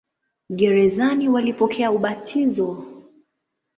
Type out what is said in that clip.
Gerezani walipokea ubatizo.